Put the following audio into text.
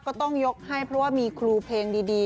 ก็ต้องยกให้เพราะว่ามีครูเพลงดี